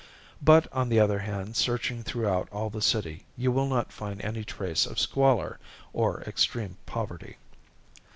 But on the other hand, searching throughout all the city, you will not find any trace of squalor or extreme poverty.